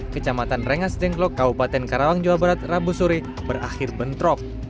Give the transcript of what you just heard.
kecamatan rengas dengklok kabupaten karawang jawa barat rabu sore berakhir bentrok